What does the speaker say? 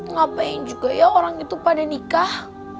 ngapain juga ya orang itu pada nikah